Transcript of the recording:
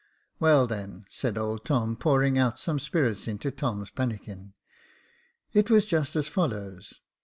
*' Well, then," said old Tom, pouring out some spirits into Tom's pannikin, " it was just as follows.